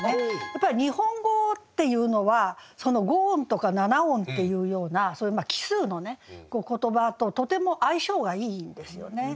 やっぱり日本語っていうのはその５音とか７音っていうようなそういう奇数の言葉ととても相性がいいんですよね。